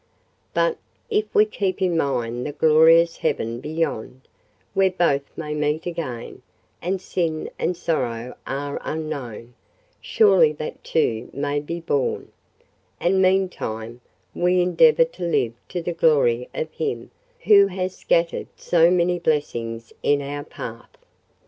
But, if we keep in mind the glorious heaven beyond, where both may meet again, and sin and sorrow are unknown, surely that too may be borne; and, meantime, we endeavour to live to the glory of Him who has scattered so many blessings in our path.